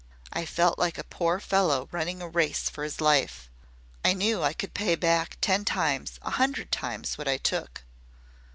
I felt like a poor fellow running a race for his life. I KNEW I could pay back ten times a hundred times what I took."